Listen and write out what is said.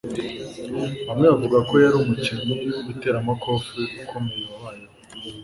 Bamwe bavuga ko yari umukinnyi witeramakofe ukomeye wabayeho